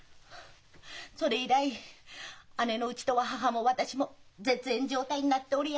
それ以来姉のうちとは母も私も絶縁状態になっておりやした。